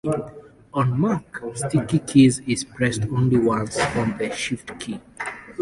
On Mac, Sticky Keys is pressed only once on the shift key.